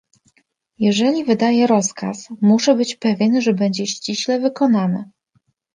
"Jeżeli wydaję rozkaz, muszę być pewien, że będzie ściśle wykonany."